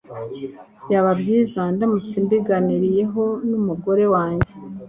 Byaba byiza ndamutse mbiganiriyeho numugore wanjye